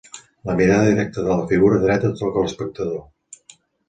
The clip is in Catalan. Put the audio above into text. La mirada directa de la figura dreta toca l'espectador.